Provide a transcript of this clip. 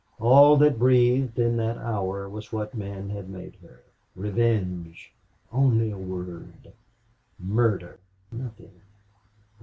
All that breathed, in that hour, was what men had made her. Revenge, only a word! Murder, nothing!